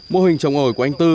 mô hình trồng ổi của anh tư